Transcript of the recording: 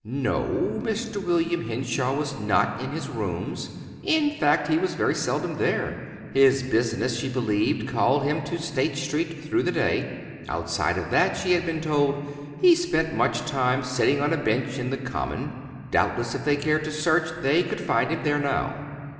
No, Mr. William Henshaw was not in his rooms. In fact, he was very seldom there. His business, she believed, called him to State Street through the day. Outside of that, she had been told, he spent much time sitting on a bench in the Common. Doubtless, if they cared to search, they could find him there now.